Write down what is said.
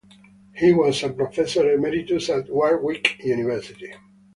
He was a professor emeritus at Warwick University.